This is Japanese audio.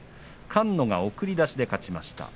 菅野は送り出しで勝ちました。